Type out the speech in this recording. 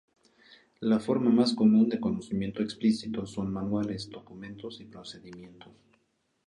La forma más común de conocimiento explícito son manuales, documentos y procedimientos.